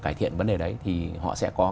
cải thiện vấn đề đấy thì họ sẽ có